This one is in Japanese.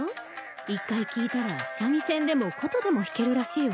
渦麒垢い燭三味線でも琴でも弾けるらしいわ。